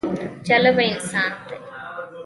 جالبه انسان دی.